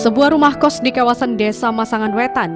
sebuah rumah kos di kawasan desa masangan wetan